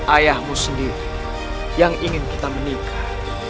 ayahmu sendiri yang ingin kita menikah